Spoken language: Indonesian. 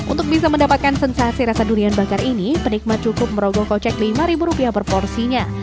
untuk bisa mendapatkan sensasi rasa durian bakar ini penikmat cukup merogoh kocek lima rupiah per porsinya